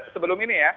sebelum ini ya